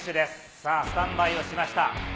さあ、スタンバイをしました。